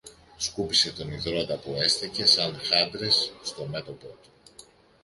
σκούπισε τον ιδρώτα που έστεκε σα χάντρες στο μέτωπο του.